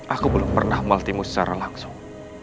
aku belum pernah meletihmu secara langsung